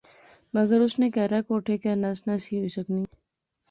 مگر اس نے کہھرے کوٹھے کانس نہسی ہوئی سکنی